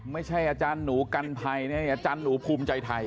ไม่ใช่อาจารย์หนูกันภัยนะอาจารย์หนูภูมิใจไทย